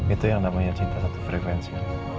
itu yang namanya cinta satu frekuensi